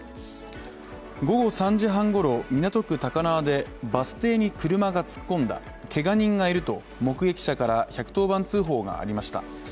午後３時半ごろ、港区高輪でバス停に車が突っ込んだ、けが人がいると目撃者から１１０番通報がありました。